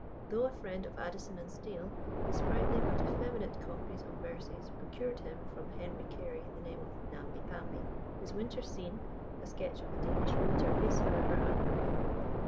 Though a friend of Addison and Steele, his sprightly but effeminate copies of verses procured him from Henry Carey the name of "Namby Pamby." His "Winter Scene," a sketch of a Danish winter, is, however, admirable.